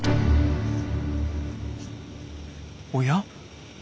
おや？